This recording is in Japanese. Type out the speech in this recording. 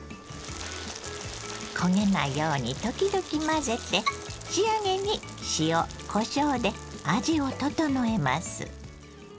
焦げないように時々混ぜて仕上げに塩こしょうで味を調えます。